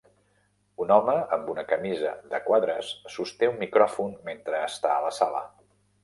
Un home amb una camisa de quadres sosté un micròfon mentre està a la sala.